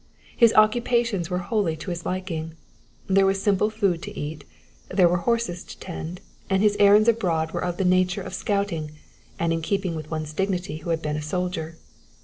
His occupations were wholly to his liking; there was simple food to eat; there were horses to tend; and his errands abroad were of the nature of scouting and in keeping with one's dignity who had been a soldier.